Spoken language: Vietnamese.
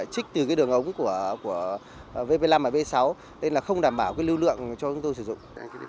trích từ cái đường ống của vp năm và v sáu nên là không đảm bảo cái lưu lượng cho chúng tôi sử dụng